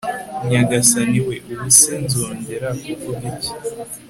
nyagasani we, ubu se nzongera kuvuga iki